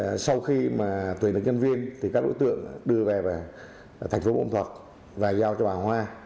thì sau khi mà tuổi được nhân viên thì các đối tượng đưa về thành phố buôn ma thuật và giao cho bà hoa